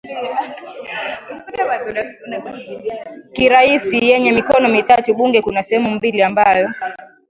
kiraisi yenye mikono mitatu Bunge kuna sehemu mbili ambayo